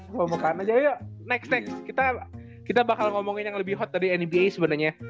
ngomong ngomongan aja yuk next next kita kita bakal ngomongin yang lebih hot tadi nba sebenernya